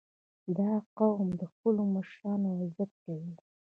• دا قوم د خپلو مشرانو عزت کوي.